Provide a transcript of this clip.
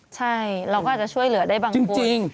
ใช่เราก็อาจจะช่วยเหลือได้บางคน